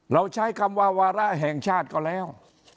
เราใช้คำว่าวาระแห่งชาติก็แล้ว